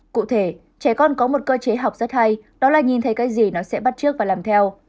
cụ thể trẻ con có một cơ chế học rất hay đó là nhìn thấy cái gì nó sẽ bắt trước và làm theo